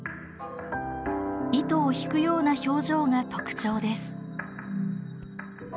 糸を引くような表情が特徴です。